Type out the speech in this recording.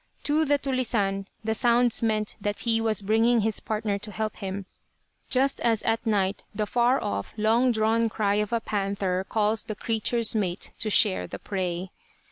To the "tulisane" the sounds meant that he was bringing his partner to help him, just as at night the far off, long drawn cry of a panther calls the creature's mate to share the prey.